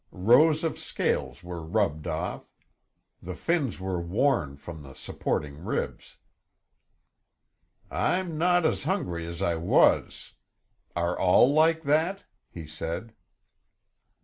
Rows of scales were rubbed off; the fins were worn from the supporting ribs. "I'm not as hungry as I was. Are all like that?" he said.